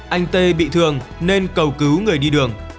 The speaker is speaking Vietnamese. anh t a t bị thương nên cầu cứu người đi đường